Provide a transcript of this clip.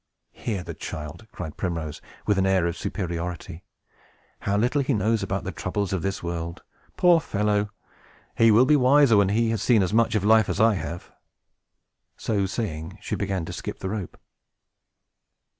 "Hear the child!" cried Primrose, with an air of superiority. "How little he knows about the troubles of this world! Poor fellow! He will be wiser when he has seen as much of life as I have." So saying, she began to skip the rope.